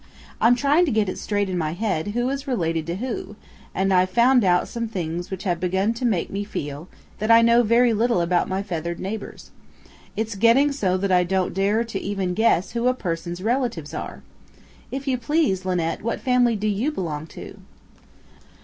I'm trying to get it straight in my head who is related to who, and I've found out some things which have begun to make me feel that I know very little about my feathered neighbors. It's getting so that I don't dare to even guess who a person's relatives are. If you please, Linnet, what family do you belong to?"